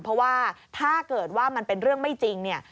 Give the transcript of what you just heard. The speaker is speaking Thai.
เพราะว่าถ้าเกิดว่ามันเป็นเรื่องไม่จริงเนี่ย